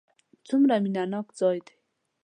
څومره مینه ناک ځای دی.